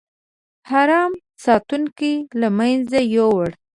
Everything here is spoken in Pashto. حرم ساتونکو له منځه یووړ.